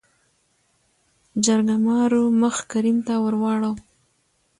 جرګمارو مخ کريم ته ورواړو .